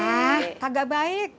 ah agak baik